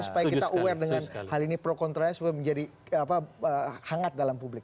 supaya kita aware dengan hal ini pro kontranya supaya menjadi hangat dalam publik